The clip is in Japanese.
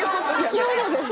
生き物で。